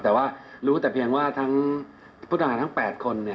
แต่ว่ารู้แต่เพียงว่าทั้งผู้ต้องหาทั้ง๘คน